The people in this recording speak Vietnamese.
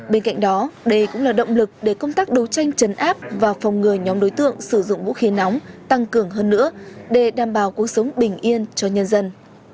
bên cạnh đó đây cũng là động lực để công tác đấu tranh chấn áp và phòng ngừa nhóm đối tượng sử dụng vũ khí nóng tăng cường hơn nữa để đảm bảo cuộc sống bình yên cho nhân dân